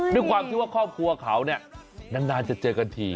ด้วยความที่ว่าครอบครัวเขาเนี่ยนานจะเจอกันที